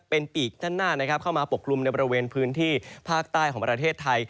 เป็นปีกด้านหน้านะครับเข้ามาปกกลุ่มในบริเวณพื้นที่ภาคใต้ของประเทศไทย